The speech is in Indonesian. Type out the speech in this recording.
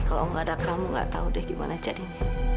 kalau gak ada kamu gak tau deh gimana jadinya